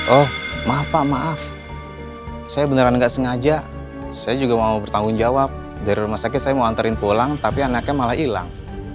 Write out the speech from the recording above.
oh maaf pak maaf saya beneran gak sengaja saya juga mau bertanggung jawab dari rumah sakit saya mau antarin pulang tapi anaknya malah hilang